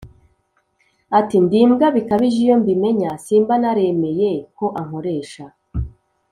Ati: ndi imbwa bikabije iyo mbimenya simba naremeye ko ankoresha